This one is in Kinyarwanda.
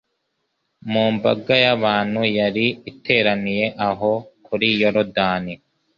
Mu mbaga y'abantu yari iteraniye aho kuri Yorodani